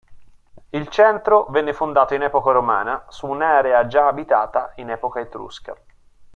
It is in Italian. Il centro venne fondato in epoca romana su un'area già abitata in epoca etrusca.